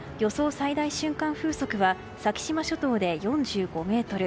最大瞬間風速は先島諸島で４５メートル